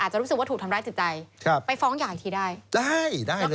อาจจะรู้สึกว่าถูกทำร้ายติดใจครับไปฟ้องหย่าอีกทีได้ได้ได้เลยครับ